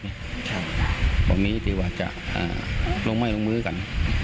ลงไหม้ลงมือกัน